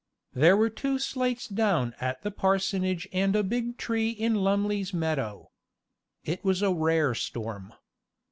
There were two slates down at the parsonage and a big tree in Lumley's meadow. It was a rare storm.